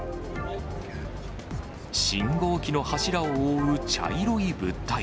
信号機の柱を覆う茶色い物体。